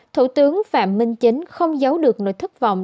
thủ tướng phạm minh chính không giấu được nỗi thất vọng